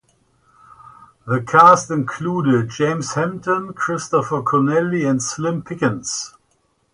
The cast included James Hampton, Christopher Connelly and Slim Pickens.